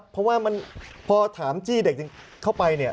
เพราะว่าพอถามจี้เด็กเข้าไป